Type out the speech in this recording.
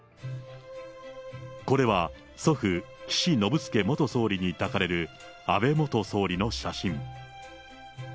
これは祖父、岸信介元総理に抱かれる安倍元総理の写真。